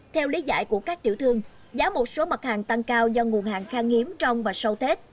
theo lý giải của các tiểu thương giá một số mặt hàng tăng cao do nguồn hàng khang nghiếm trong và sau tết